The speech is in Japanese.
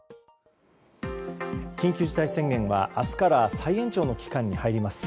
緊急事態宣言は明日から再延長の期間に入ります。